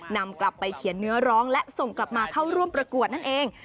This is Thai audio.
นำกลับไปเขียนเนื้อร้องและส่งกลับมาเข้าร่วมประกวดนั่นเอง